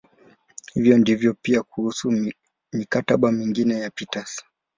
Hivyo ndivyo pia kuhusu "mikataba" mingine ya Peters.